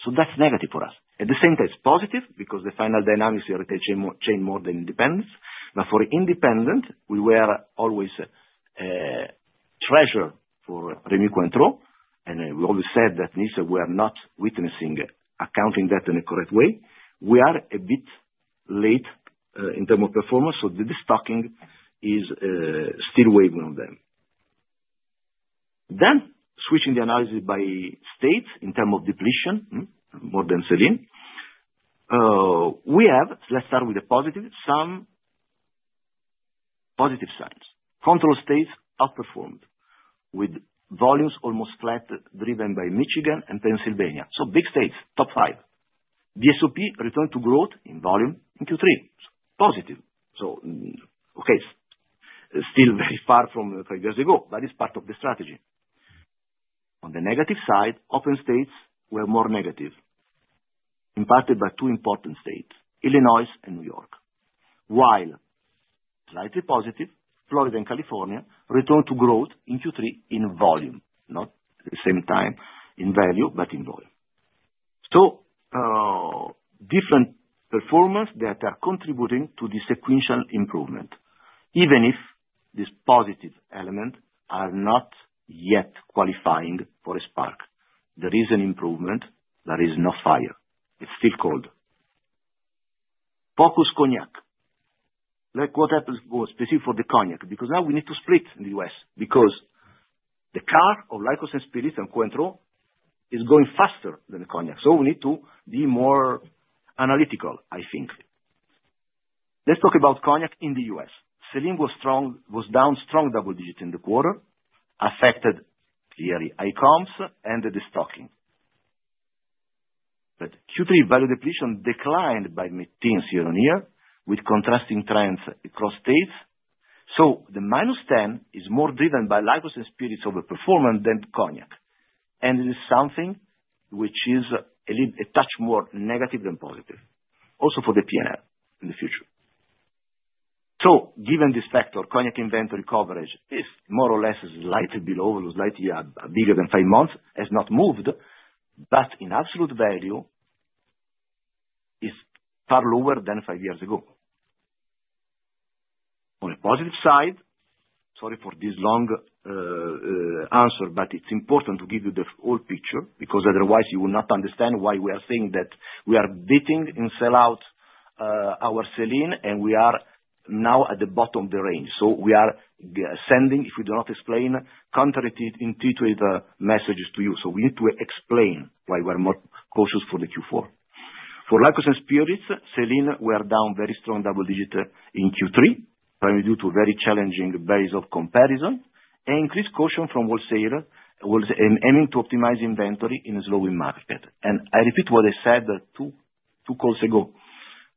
so that's negative for us. At the same time, it's positive because the final dynamics here retail chain more than independents, but for independent, we were always treasured for Rémy Cointreau, and we always said that we were not witnessing anything that in a correct way. We are a bit late in terms of performance, so the destocking is still weighing on them, then switching the analysis by state in terms of depletion, more than sell-in, we have, let's start with the positive, some positive signs. Control states outperformed with volumes almost flat, driven by Michigan and Pennsylvania, so big states, top five. The VSOP returned to growth in volume in Q3. Positive. So okay, still very far from five years ago, but it's part of the strategy. On the negative side, Open States were more negative, impacted by two important states, Illinois and New York. While slightly positive, Florida and California returned to growth in Q3 in volume, not at the same time in value, but in volume. So different performance that are contributing to the sequential improvement, even if this positive element is not yet qualifying for a spark. There is an improvement. There is no fire. It's still cold. Focus Cognac. Like what happens specifically for the Cognac, because now we need to split in the U.S. because the category of Liqueurs & Spirits and Cointreau is going faster than the Cognac. So we need to be more analytical, I think. Let's talk about Cognac in the U.S. Sell-in was down strong double digit in the quarter, affected clearly by COVID and the destocking. But Q3 value depletion declined by mid-tens year-on-year with contrasting trends across states. So the -10% is more driven by Liqueurs & Spirits overperformance than Cognac. And it is something which is a touch more negative than positive, also for the P&L in the future. So given this factor, Cognac inventory coverage is more or less slightly below, slightly bigger than five months, has not moved, but in absolute value, it's far lower than five years ago. On a positive side, sorry for this long answer, but it's important to give you the whole picture because otherwise you will not understand why we are saying that we are beating in sell-out our sell-in, and we are now at the bottom of the range. We are sending, if we do not explain, counterintuitive messages to you. We need to explain why we are more cautious for the Q4. For Liqueurs & Spirits, sell-in were down very strong double-digit in Q3, probably due to very challenging base of comparison and increased caution from wholesalers aiming to optimize inventory in a slowing market. I repeat what I said two calls ago.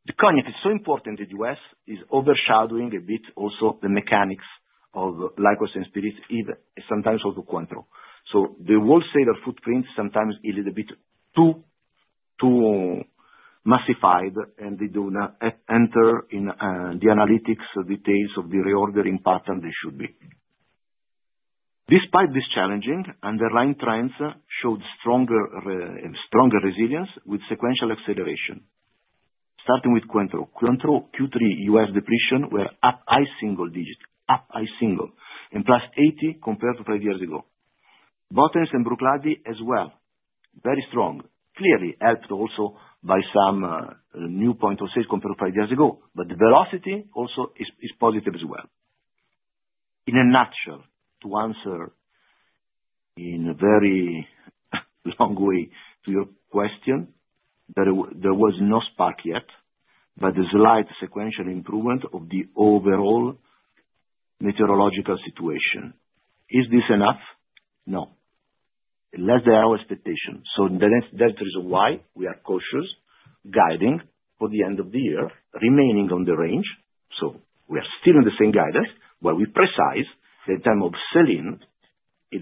The Cognac is so important in the U.S., it's overshadowing a bit also the mechanics of Liqueurs & Spirits, sometimes also Cointreau. The wholesaler footprint sometimes is a little bit too massified, and they do not enter in the analytics details of the reordering pattern they should be. Despite this challenging, underlying trends showed stronger resilience with sequential acceleration, starting with Cointreau. Cointreau Q3 U.S. depletion were up by single digit, up by single, and +80 compared to five years ago. The Botanist and Bruichladdich as well, very strong. Clearly helped also by some new points of sale compared to five years ago, but the velocity also is positive as well. In a nutshell, to answer in a very long way to your question, there was no spark yet, but there's a slight sequential improvement of the overall macroeconomic situation. Is this enough? No. Less than our expectation. So that's the reason why we are cautiously guiding for the end of the year, remaining in the range. So we are still in the same guidance, but we precise that in terms of sell-in,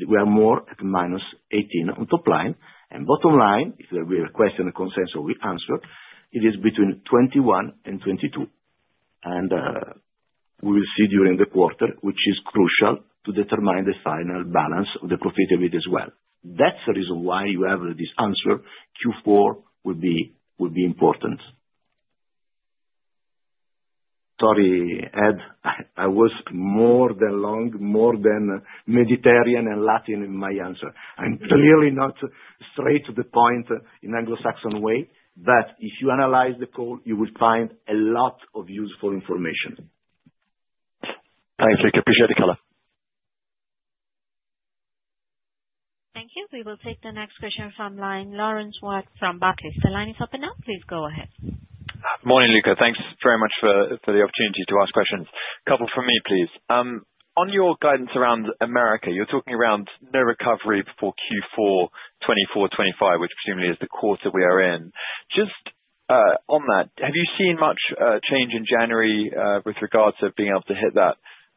we are more at -18 on top line. And bottom line, if there will be a question of consensus or we answer, it is between 21 and 22. We will see during the quarter, which is crucial to determine the final balance of the profitability as well. That's the reason why you have this answer. Q4 will be important. Sorry, Ed, I was more than long, more than Mediterranean and Latin in my answer. I'm clearly not straight to the point in the Anglo-Saxon way, but if you analyze the call, you will find a lot of useful information. Thank you. I appreciate the color. Thank you. We will take the next question from the line of Laurence Whyatt from Barclays. If the line is open now, please go ahead. Morning, Luca. Thanks very much for the opportunity to ask questions. A couple for me, please. On your guidance around Americas, you're talking around no recovery before Q4 2024, 2025, which presumably is the quarter we are in. Just on that, have you seen much change in January with regards to being able to hit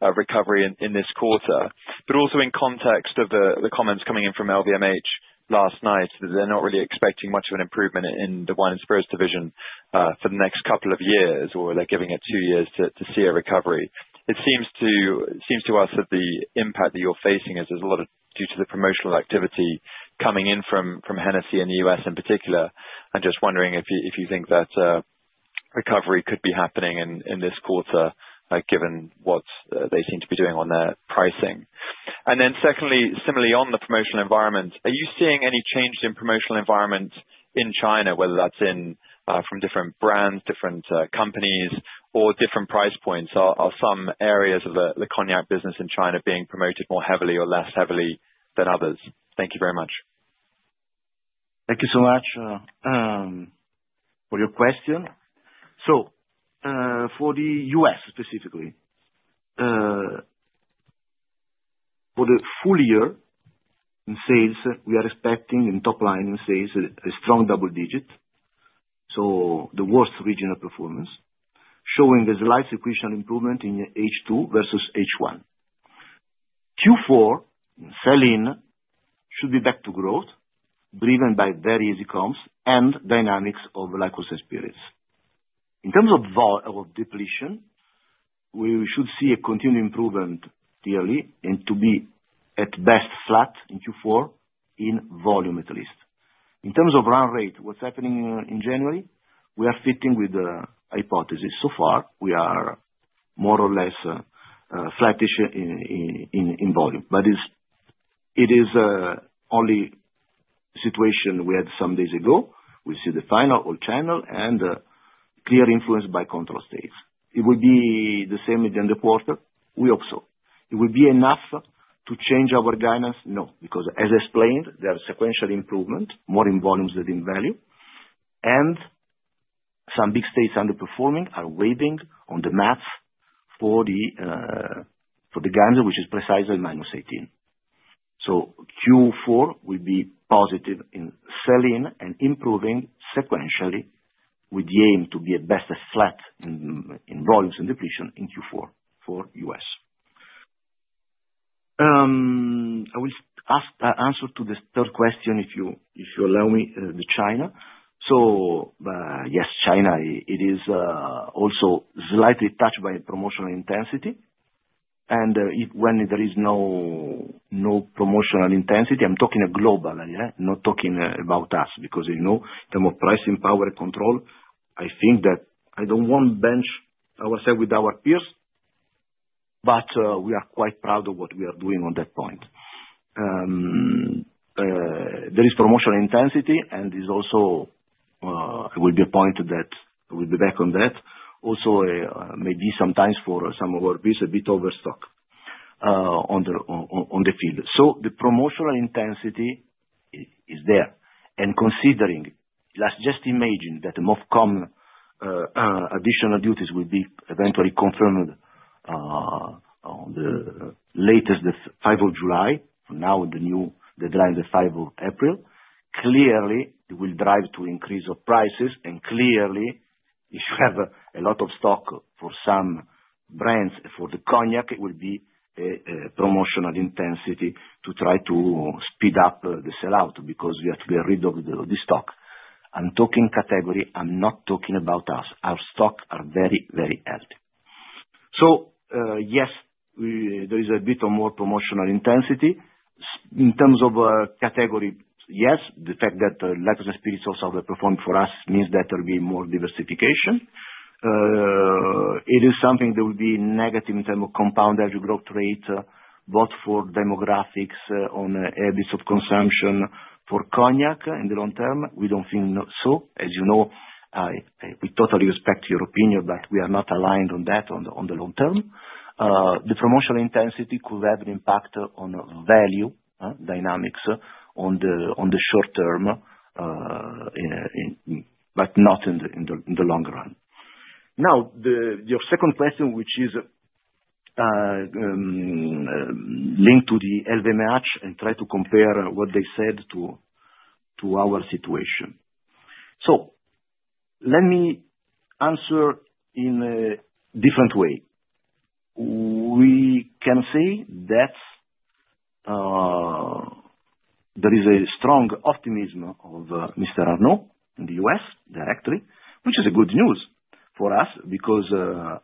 that recovery in this quarter? But also in context of the comments coming in from LVMH last night, they're not really expecting much of an improvement in the Wines & Spirits division for the next couple of years, or they're giving it two years to see a recovery. It seems to us that the impact that you're facing is a lot due to the promotional activity coming in from Hennessy in the U.S. in particular. I'm just wondering if you think that recovery could be happening in this quarter, given what they seem to be doing on their pricing. And then secondly, similarly on the promotional environment, are you seeing any change in promotional environment in China, whether that's from different brands, different companies, or different price points? Are some areas of the Cognac business in China being promoted more heavily or less heavily than others? Thank you very much. Thank you so much for your question. So for the U.S. specifically, for the full year in sales, we are expecting in top line in sales a strong double-digit. So the worst regional performance, showing a slight sequential improvement in H2 versus H1. Q4, sell-in should be back to growth, driven by very easy comps and dynamics of Liqueurs & Spirits. In terms of depletion, we should see a continued improvement yearly and to be at best flat in Q4 in volume at least. In terms of run rate, what's happening in January, we are fitting with the hypothesis. So far, we are more or less flattish in volume, but it is only a situation we had some days ago. We see the final off channel and clear influence by control states. It will be the same at the end of quarter. We hope so. It will be enough to change our guidance? No, because as explained, there is sequential improvement, more in volumes than in value, and some big states underperforming are weighting in the math for the guidance, which is precisely -18, so Q4 will be positive in sell-in and improving sequentially with the aim to be at best as flat in volumes and depletion in Q4 for U.S. I will answer to the third question, if you allow me, China, so yes, China, it is also slightly touched by promotional intensity. When there is no promotional intensity, I'm talking globally, not talking about us, because in terms of pricing power and control, I think that I don't want to benchmark, I would say, with our peers, but we are quite proud of what we are doing on that point. There is promotional intensity, and there is also a point that we'll be back on that. Also, maybe sometimes for some of our peers, a bit overstock on the field. So the promotional intensity is there. Considering, let's just imagine that the MOFCOM additional duties will be eventually confirmed by the latest the 5th of July, now with the new deadline the 5th of April, clearly it will drive to increase of prices. Clearly, if you have a lot of stock for some brands for the Cognac, it will be a promotional intensity to try to speed up the sell-out because we have to get rid of the stock. I'm talking category. I'm not talking about us. Our stock are very, very healthy. So yes, there is a bit of more promotional intensity. In terms of category, yes, the fact that Liqueurs & Spirits also have performed for us means that there will be more diversification. It is something that will be negative in terms of compounded growth rate, both for demographics on habits of consumption. For Cognac in the long term, we don't think so. As you know, we totally respect your opinion, but we are not aligned on that on the long term. The promotional intensity could have an impact on value dynamics in the short term, but not in the long run. Now, your second question, which is linked to the LVMH and trying to compare what they said to our situation, so let me answer in a different way. We can say that there is a strong optimism of Mr. Arnault in the U.S. directly, which is good news for us because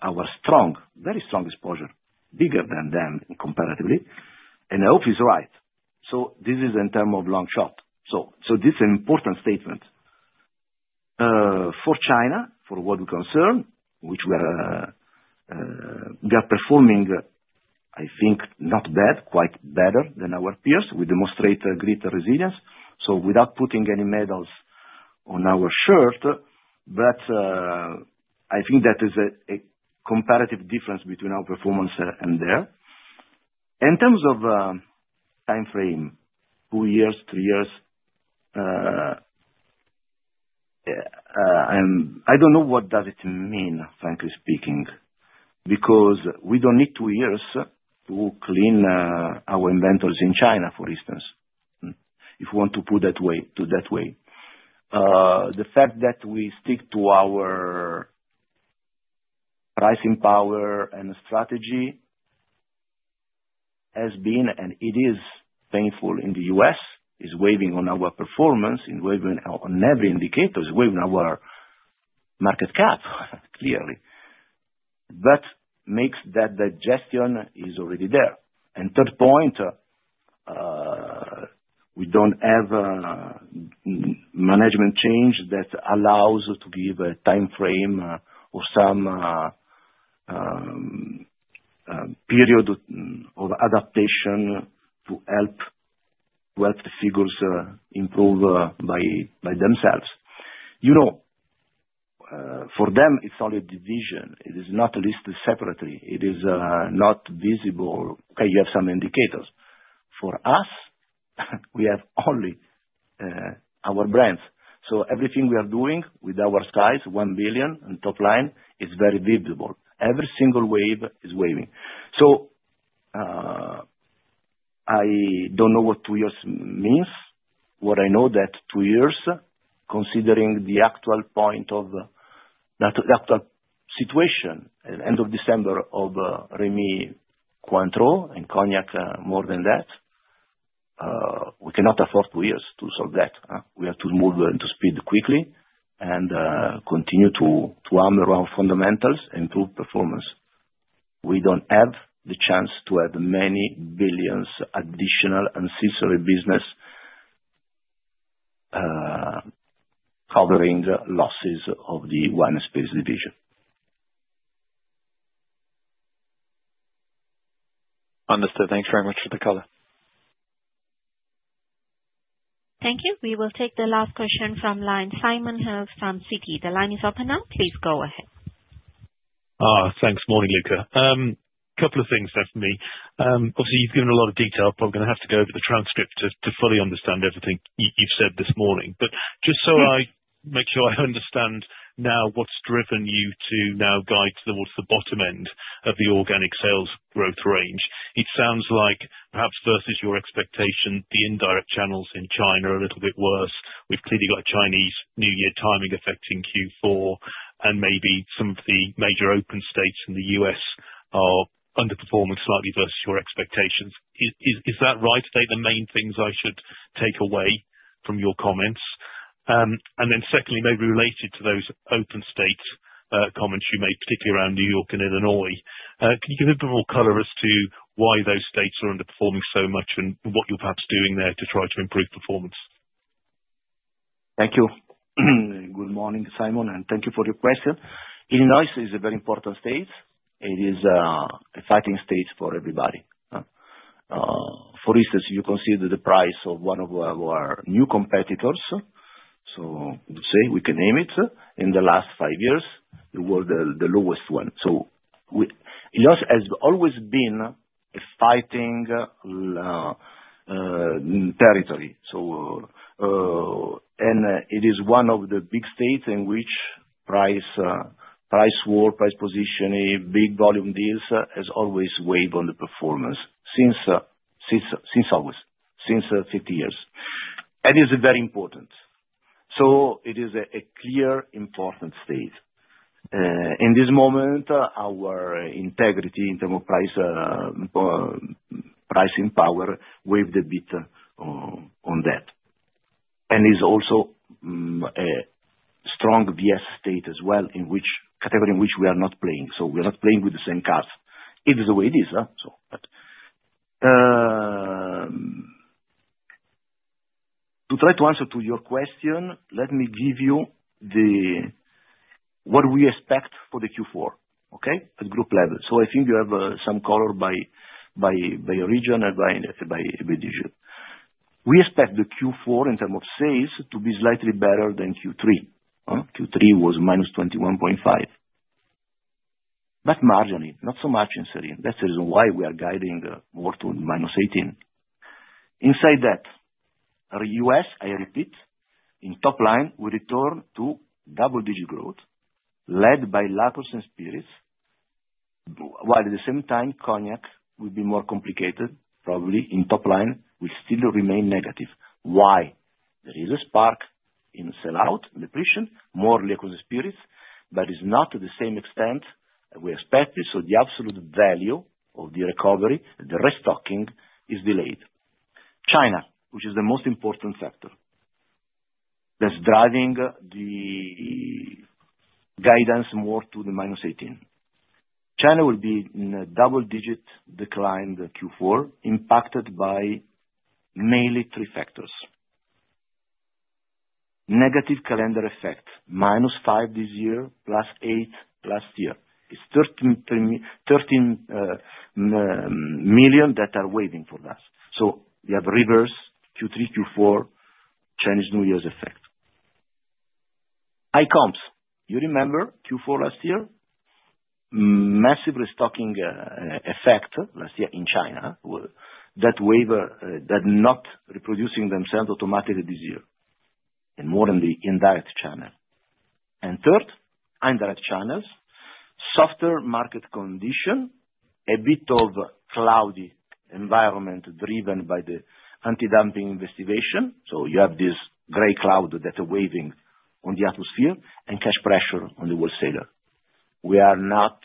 our strong, very strong exposure is bigger than them comparatively, and I hope he's right, so this is in terms of long term. So this is an important statement. For China, for what we're concerned, which we are performing, I think, not bad, quite better than our peers with demonstrated greater resilience, so without putting any medals on our shirt, but I think that is a comparative difference between our performance and theirs. In terms of time frame, two years, three years, I don't know what does it mean, frankly speaking, because we don't need two years to clean our inventories in China, for instance, if we want to put it that way. The fact that we stick to our pricing power and strategy has been, and it is, painful in the U.S., is weighing on our performance, is weighing on every indicator, is weighing on our market cap, clearly, but that digestion is already there, and third point, we don't have management change that allows to give a time frame or some period of adaptation to help the figures improve by themselves. For them, it's only a division. It is not listed separately. It is not visible. Okay, you have some indicators. For us, we have only our brands. So everything we are doing with our size, one billion on top line, is very visible. Every single wave is waving. So I don't know what two years means. What I know is that two years, considering the actual point of the actual situation, end of December of Rémy Cointreau and Cognac more than that, we cannot afford two years to solve that. We have to move to speed quickly and continue to arm around fundamentals and improve performance. We don't have the chance to have many billions additional ancillary business covering losses of the wine and spirits division. Understood. Thanks very much for the color. Thank you. We will take the last question from line Simon Hales from Citi. The line is open now. Please go ahead. Thanks. Morning, Luca. A couple of things left for me. Obviously, you've given a lot of detail, but I'm going to have to go over the transcript to fully understand everything you've said this morning, but just so I make sure I understand now what's driven you to now guide towards the bottom end of the organic sales growth range. It sounds like perhaps versus your expectation, the indirect channels in China are a little bit worse. We've clearly got a Chinese New Year timing affecting Q4, and maybe some of the major open states in the U.S. are underperforming slightly versus your expectations. Is that right? Are they the main things I should take away from your comments? Then secondly, maybe related to those open state comments you made, particularly around New York and Illinois, can you give a bit more color as to why those states are underperforming so much and what you're perhaps doing there to try to improve performance? Thank you. Good morning, Simon, and thank you for your question. Illinois is a very important state. It is a fighting state for everybody. For instance, you consider the price of one of our new competitors, so we can name it, in the last five years, the lowest one. So Illinois has always been a fighting territory. And it is one of the big states in which price war, price positioning, big volume deals has always weighed on the performance since always, since 50 years. And it is very important. So it is a clear important state. In this moment, our integrity in terms of pricing power waned a bit on that. And it's also a strong VS state as well in which category we are not playing. So we are not playing with the same cards. It is the way it is. To try to answer to your question, let me give you what we expect for the Q4, okay, at group level. So I think you have some color by region and by division. We expect the Q4 in terms of sales to be slightly better than Q3. Q3 was -21.5%, but marginally, not so much in sell-in. That's the reason why we are guiding more towards -18%. Inside that, U.S., I repeat, in top line, we return to double-digit growth, led by Liqueurs & Spirits. While at the same time, Cognac will be more complicated, probably in top line, will still remain negative. Why? There is a spark in sell-out, depletion, more Liqueurs & Spirits, but it's not to the same extent we expected. So the absolute value of the recovery, the restocking, is delayed. China, which is the most important sector, that's driving the guidance more to the -18. China will be in a double-digit decline Q4, impacted by mainly three factors. Negative calendar effect, -5 this year, +8 last year. It's 13 million that are weighing on us. So we have reverse Q3, Q4, Chinese New Year's effect. High comps, you remember Q4 last year, massive restocking effect last year in China that were not reproducing themselves automatically this year, and more in the indirect channel. And third, indirect channels, softer market conditions, a bit of cloudy environment driven by the anti-dumping investigation. So you have this gray cloud that is waving on the atmosphere and cash pressure on the wholesaler. We are not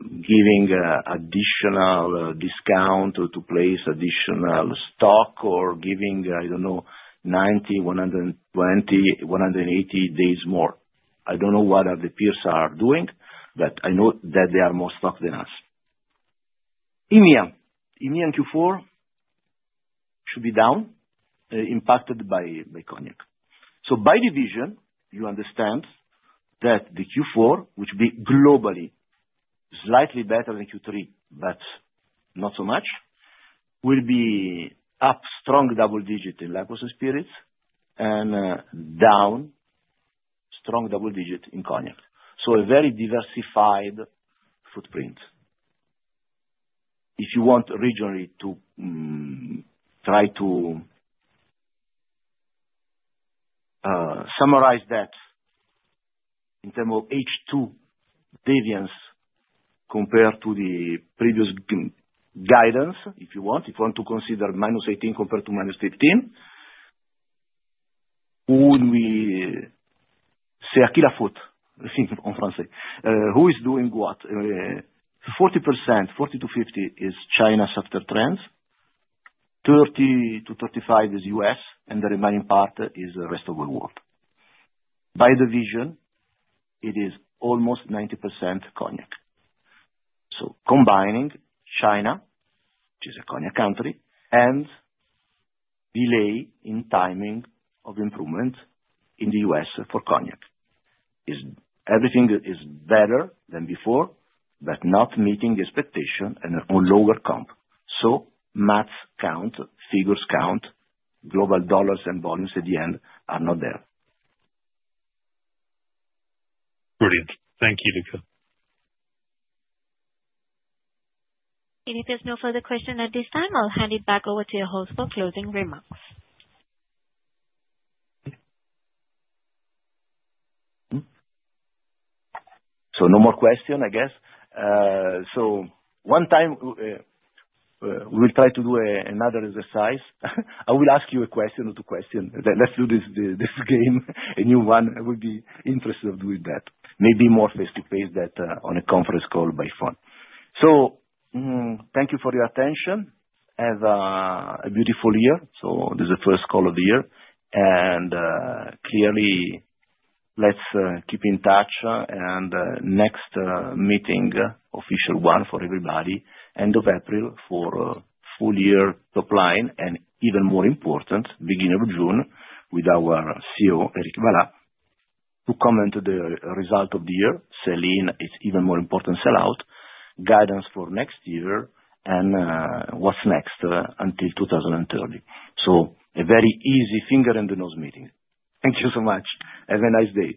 giving additional discount to place additional stock or giving, I don't know, 90, 120, 180 days more. I don't know what the peers are doing, but I know that they are more stocked than us. EMEA, EMEA Q4 should be down, impacted by Cognac. So by division, you understand that the Q4, which will be globally slightly better than Q3 but not so much, will be up strong double-digit in Liqueurs & Spirits, and down strong double-digit in Cognac. So a very diversified footprint. If you want regionally to try to summarize that in terms of H2 deviance compared to the previous guidance, if you want, if you want to consider -18% compared to -15%, who would we say, a key part, I think, in French, who is doing what? 40%-50% is China's softer trends. 30%-35% is U.S., and the remaining part is the rest of the world. By division, it is almost 90% Cognac. So combining China, which is a Cognac country, and delay in timing of improvement in the U.S. for Cognac. Everything is better than before, but not meeting expectation on lower comp. So math count, figures count, global dollars and volumes at the end are not there. Brilliant. Thank you, Luca. Okay. If there's no further question at this time, I'll hand it back over to your host for closing remarks. So no more question, I guess. So one time, we will try to do another exercise. I will ask you a question or two questions. Let's do this game, a new one. I would be interested in doing that. Maybe more face-to-face than on a conference call by phone. So thank you for your attention. Have a beautiful year. So this is the first call of the year. And clearly, let's keep in touch. And next meeting, official one for everybody, end of April for full year top line, and even more important, beginning of June with our CEO, Éric Vallat, to comment on the result of the year, sell-in, it's even more important, sell-out, guidance for next year, and what's next until 2030. So a very easy finger in the nose meeting. Thank you so much. Have a nice day.